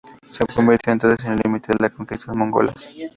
Se convirtió entonces en el límite de las conquistas mongolas.